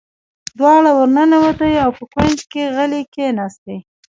دواړې ور ننوتې او په کونج کې غلې کېناستې.